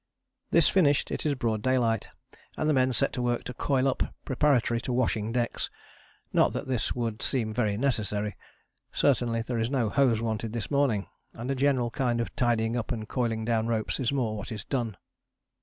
This finished, it is broad daylight, and the men set to work to coil up preparatory to washing decks not that this would seem very necessary. Certainly there is no hose wanted this morning, and a general kind of tidying up and coiling down ropes is more what is done.